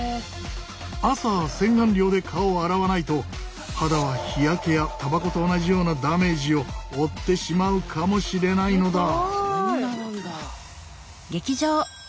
朝洗顔料で顔を洗わないと肌は日焼けやたばこと同じようなダメージを負ってしまうかもしれないのだ！